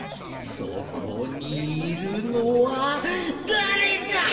そこにいるのはだれだ！